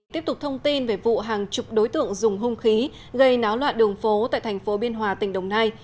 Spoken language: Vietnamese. tiếp tục thông tin về vụ hàng chục đối tượng dùng hung khí gây náo loạn đường phố tại thành phố biên hòa tỉnh đồng nai